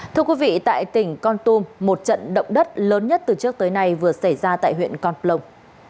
thưa quý vị tại tỉnh con tum một trận động đất lớn nhất từ trước tới nay vừa xảy ra tại huyện con plong